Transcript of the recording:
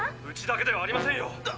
⁉うちだけではありませんよ。